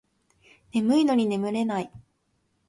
眠いのに寝れない